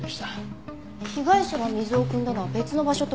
被害者が水をくんだのは別の場所って事ですか？